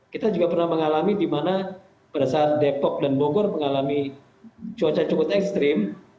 kita juga pernah mengalami di mana pada saat depok dan bogor mengalami cuaca cukup ekstrim